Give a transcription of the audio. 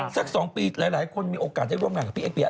สัก๒ปีหลายคนมีโอกาสได้ร่วมงานกับพี่เอ็กเปีย